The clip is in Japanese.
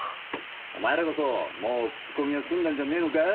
お前らこそもう聞き込みは済んだんじゃねえのか？